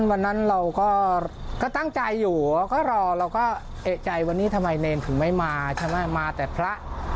วันนั้นเราก็ตั้งใจอยู่เขาก็รอเราก็เอกใจวันนี้ทำไมเนรถึงไม่มาใช่ไหมมาแต่พระ